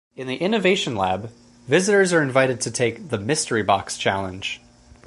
In the Innovation Lab, visitors are invited to take the Mystery Box challenge.